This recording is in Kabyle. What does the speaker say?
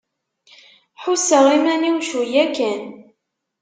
Ḥusseɣ iman-iw cwiya kan.